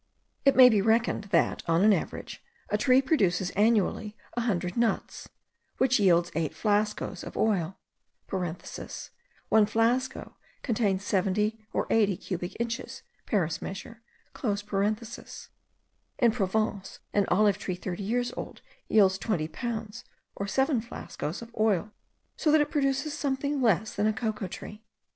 It may be reckoned that, on an average, a tree produces annually a hundred nuts, which yield eight flascos* of oil. (One flasco contains 70 or 80 cubic inches, Paris measure.) In Provence, an olive tree thirty years old yields twenty pounds, or seven flascos of oil, so that it produces something less than a cocoa tree.